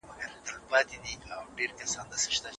ډېرو ړندو سړیو په ګڼ ځای کي ږیري درلودې.